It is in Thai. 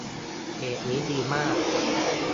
เพจนี้ดีมาก